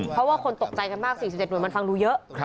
เพราะว่าคนตกใจกันมาก๔๗หน่วยมันฟังดูเยอะ